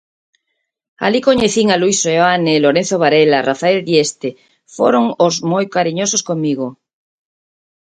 Alí coñecín a Luís Seoane, Lorenzo Varela, Rafael Dieste, foron os moi cariñosos comigo.